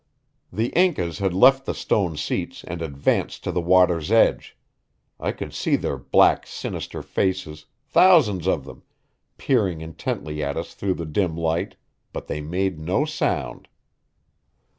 The Incas had left the stone seats and advanced to the water's edge. I could see their black, sinister faces, thousands of them, peering intently at us through the dim light, but they made no sound.